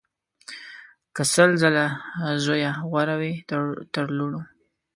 که سل ځله زویه غوره وي تر لوڼو